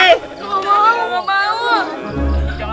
gak mau gak mau